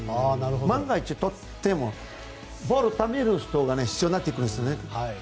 万が一、取ってもボールをためる人が必要になってくるんです。